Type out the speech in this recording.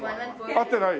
合ってない！？